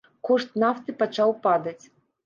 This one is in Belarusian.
Кошт нафты пачаў падаць.